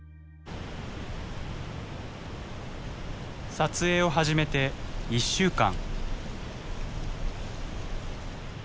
撮影を始めて１週間。